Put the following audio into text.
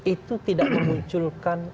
itu tidak memunculkan